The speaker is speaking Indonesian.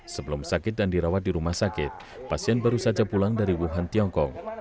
sebelum sakit dan dirawat di rumah sakit pasien baru saja pulang dari wuhan tiongkok